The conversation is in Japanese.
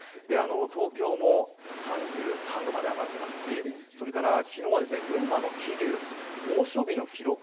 東京も３３度まで上がってますしそれから昨日は群馬の桐生猛暑日の記録